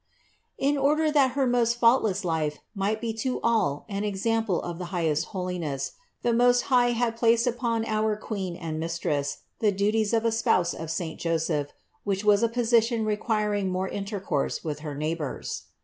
1. In order that her most faultless life might be to all an example of the highest holiness, the Most High had placed upon our Queen and Mistress the duties of a spouse of saint Joseph which was a position requiring more inter course with her neighbors.